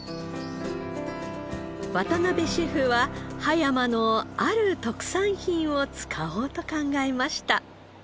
渡辺シェフは葉山のある特産品を使おうと考えました。